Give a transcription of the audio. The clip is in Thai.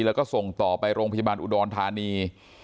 แล้วก็ส่งต่อไปโรงพยาบาลอุดรธานี